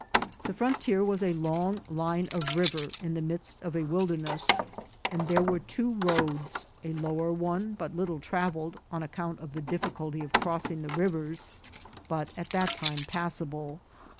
The frontier was a long line of river in the midst of a wilderness, and there were two roads, a lower one but little travelled, on ac count of the difficulty of crossing the rivers, but at that time passable.